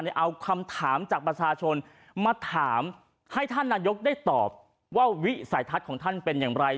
เอาคำถามจากประชาชนมาถามให้ท่านนายกได้ตอบว่าวิสัยทัศน์ของท่านเป็นอย่างไร